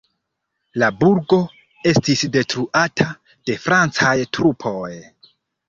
La burgo estis detruata de francaj trupoj.